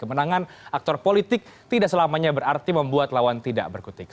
kemenangan aktor politik tidak selamanya berarti membuat lawan tidak berkutik